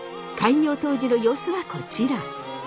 開業当時の様子はこちら。